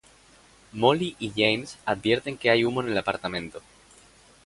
Mollie y James advierten que hay humo en el apartamento.